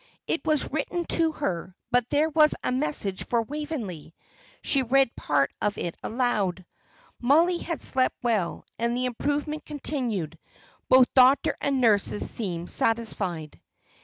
It was written to her, but there was a message for Waveney. She read part of it aloud. Mollie had slept well, and the improvement continued. Both doctor and nurses seemed satisfied.